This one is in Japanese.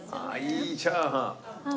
いいチャーハン。